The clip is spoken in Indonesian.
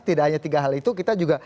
tidak hanya tiga hal itu